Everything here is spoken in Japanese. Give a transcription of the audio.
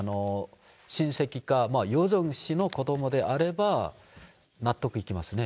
親戚か、ヨジョン氏の子どもであれば、納得いきますね。